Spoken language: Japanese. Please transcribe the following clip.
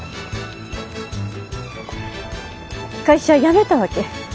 会社辞めたわけ。